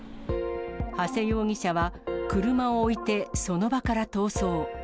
長谷容疑者は、車を置いて、その場から逃走。